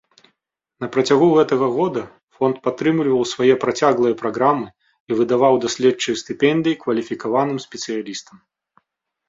Напрацягу гэтага года фонд падтрымліваў свае працяглыя праграмы і выдаваў даследчыя стыпендыі кваліфікаваным спецыялістам.